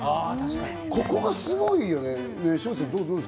ここはすごいよね。